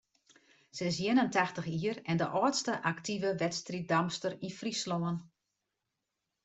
Sy is ien en tachtich jier en de âldste aktive wedstriiddamster yn Fryslân.